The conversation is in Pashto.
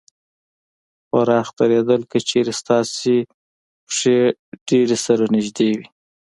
پراخ درېدل : که چېرې ستاسې پښې ډېرې سره نږدې وي